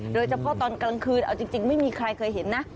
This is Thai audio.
โดยเฉพาะตอนกลางคืนเอาจริงไม่มีใครเคยเห็นนะ